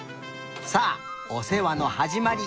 さあおせわのはじまり！